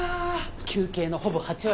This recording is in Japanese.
求刑のほぼ８割。